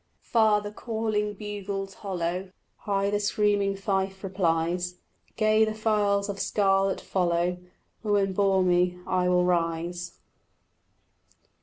Far the calling bugles hollo, High the screaming fife replies, Gay the files of scarlet follow: Woman bore me, I will rise.